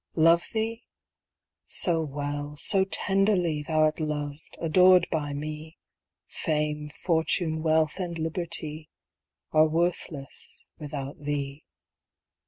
Love thee? so well, so tenderly, Thou'rt loved, adored by me, Fame, fortune, wealth, and liberty, Are worthless without thee.